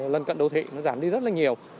lân cận đô thị giảm đi rất nhiều